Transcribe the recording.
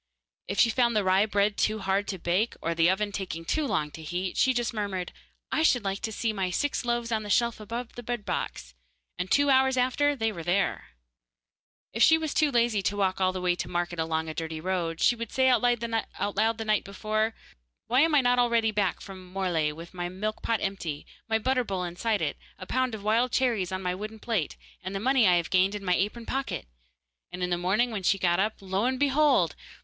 If she found the rye bread too hard to bake, or the oven taking too long to heat, she just murmured, 'I should like to see my six loaves on the shelf above the bread box,' and two hours after there they were. If she was too lazy to walk all the way to market along a dirty road, she would say out loud the night before, 'Why am I not already back from Morlaix with my milk pot empty, my butter bowl inside it, a pound of wild cherries on my wooden plate, and the money I have gained in my apron pocket?' and in the morning when she got up, lo and behold!